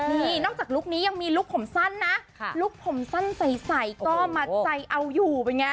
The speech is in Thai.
นี่นอกจากลุคนี้ยังมีลุคผมสั้นนะลุคผมสั้นใสก็มาใจเอาอยู่เป็นไง